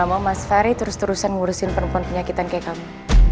aku gak mau mas ferry terus terusan ngurusin perempuan penyakitan kayak kamu